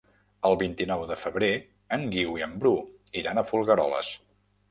El vint-i-nou de febrer en Guiu i en Bru iran a Folgueroles.